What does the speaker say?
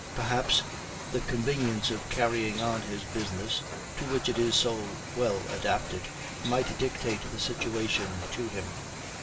Perhaps the convenience of carrying on his business, to which it is so well adapted, might dictate the situation to him.